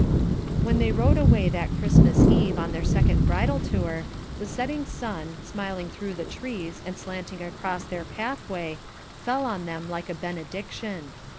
When they rode away that Christmas Eve on their second bridal tour, the setting sun, smiling through the trees and slanting across their pathway, fell on them like a benediction.